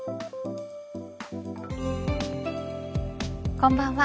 こんばんは。